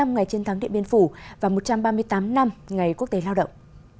bảy mươi ngày chiến thắng điện biên phủ và một trăm ba mươi tám năm ngày quốc tế lao động